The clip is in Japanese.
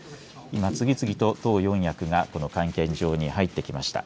今、次々と党四役がこの会見場に入ってきました。